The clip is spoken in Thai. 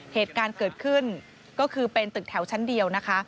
เหตุการณ์เกิดขึ้นก็คือเป็นตึกแถวชั้นเดียวนะคะ